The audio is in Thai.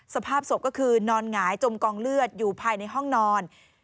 สภาพศพก็คือนอนหงายจมกองเลือดอยู่ภายในห้องนอน